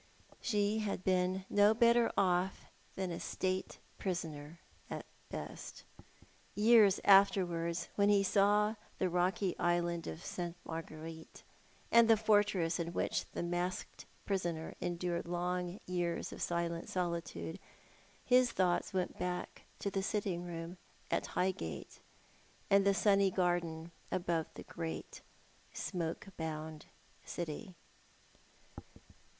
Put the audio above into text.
She had been no better off than a State prisoner, at best. Years afterwards, when he saw the rocky island of St. Marguerite, and the fortress in which the masked prisoner endured long years of silent solitude, his thoughts went back to the sitting room at High gate, and the sunny garden above the great smoke bound city.